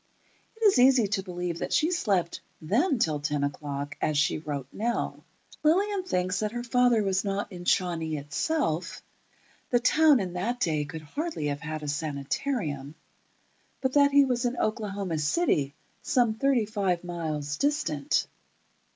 It is easy to believe that she slept then till ten o'clock, as she wrote Nell. Lillian thinks that her father was not in Shawnee itself (the town in that day could hardly have had a sanitarium), but that he was in Oklahoma City, some thirty five miles distant.